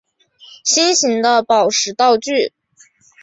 心形的宝石道具。